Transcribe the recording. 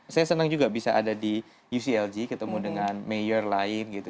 saya senang juga bisa ada di uclg ketemu dengan mayor lain gitu